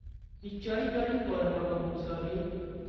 هیچ جایی دارید بارمان را بگذاریم؟